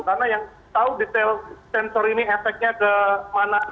karena yang tahu detail sensor ini efeknya kemana